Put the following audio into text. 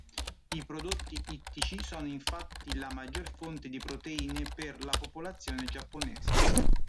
I prodotti ittici sono infatti la maggiore fonte di proteine per la popolazione giapponese.